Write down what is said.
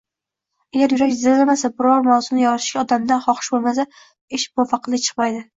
Agar yurak jizillamasa, biron mavzuni yoritishga odamda xohish bo‘lmasa, ish muvaffaqiyatli chiqmaydi.